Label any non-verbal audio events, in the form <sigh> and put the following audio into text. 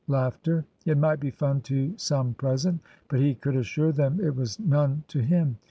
<laughs> It might be fun to some present, but he could assure them it was none to him.